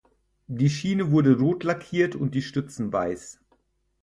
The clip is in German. Die Schiene wurde rot lackiert und die Stützen weiß.